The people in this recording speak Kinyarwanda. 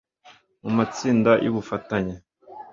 mu matsinda y ubufatanye